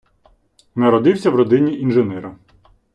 Народився в родині інженера.